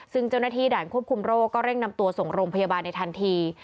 ซึ่งเจ้าหน้าที่ด่านควบคุมโรคก็เร่งนำตัวส่งโรงพยาบาลในทันที